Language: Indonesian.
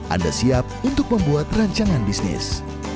anda siap untuk membuat rancangan bisnis